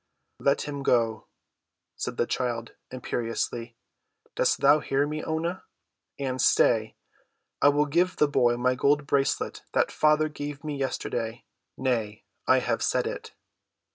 "Let him go," said the child imperiously. "Dost thou hear me, Oonah? And, stay, I will give the boy my gold bracelet that father gave me yesterday. Nay, I have said it!"